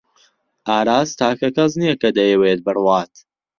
ئاراس تاکە کەس نییە کە دەیەوێت بڕوات.